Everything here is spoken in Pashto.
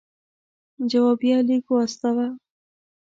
جوابیه لیک واستاوه.